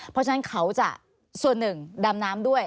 เพราะฉะนั้นเขาจะส่วนหนึ่งดำน้ำด้วย